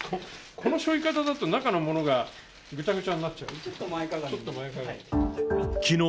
この背負い方だと、中のものがぐちゃぐちゃになっちゃう？